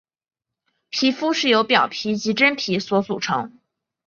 皮肤是由表皮及真皮所组成。